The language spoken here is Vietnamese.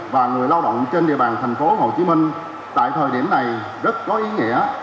và người lao động trên địa bàn thành phố hồ chí minh tại thời điểm này rất có ý nghĩa